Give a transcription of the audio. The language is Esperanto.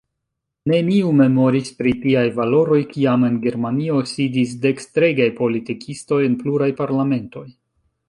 Neniu memoris pri tiaj valoroj, kiam en Germanio sidis dekstregaj politikistoj en pluraj parlamentoj.